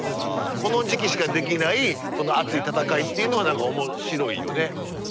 この時期しかできない熱い戦いっていうのが何か面白いよね。